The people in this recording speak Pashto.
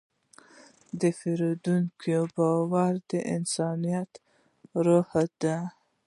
د پیرودونکي باور د انسانیت روح دی.